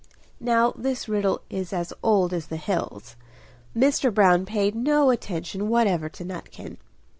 Now this riddle is as old as the hills; Mr. Brown paid no attention whatever to Nutkin.